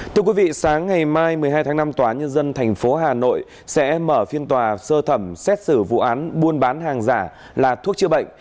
thưa quý vị sáng ngày mai một mươi hai tháng năm tòa nhân dân tp hà nội sẽ mở phiên tòa sơ thẩm xét xử vụ án buôn bán hàng giả là thuốc chữa bệnh